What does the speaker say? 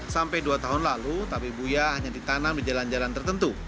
sampai dua tahun lalu tabe buya hanya ditanam di jalan jalan tertentu